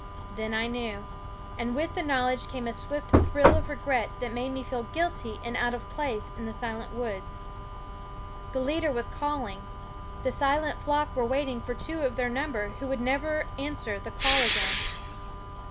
Then I knew; and with the knowledge came a swift thrill of regret that made me feel guilty and out of place in the silent woods. The leader was calling, the silent flock were waiting for two of their number who would never answer the call again.